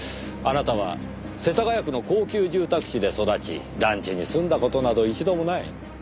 あなたは世田谷区の高級住宅地で育ち団地に住んだ事など一度もない。